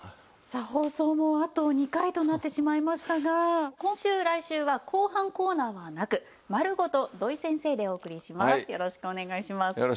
さあ放送もあと２回となってしまいましたが今週来週は後半コーナーはなく丸ごと土井先生でお送りします。